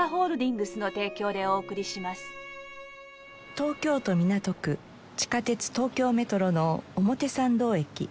東京都港区地下鉄東京メトロの表参道駅。